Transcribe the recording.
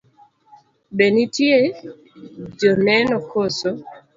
Be nitie joneno koso?